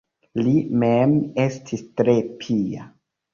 Li mem estis tre pia.